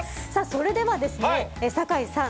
それでは、酒井さん